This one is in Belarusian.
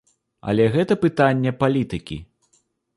Але гэта пытанне палітыкі.